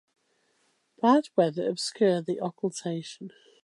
Bad weather obscured the occultation.